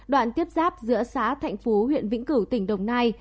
đoạn tiếp giáp giữa xá tp hcm tỉnh đồng nai